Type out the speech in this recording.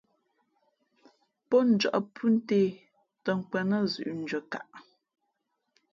Pó njᾱʼ phʉ́ ntē tᾱ nkwēn nά zʉ̌ʼ ndʉ̄αkaʼ.